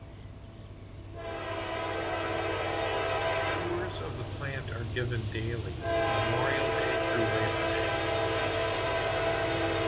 Tours of the powerplant are given daily, Memorial Day through Labor Day.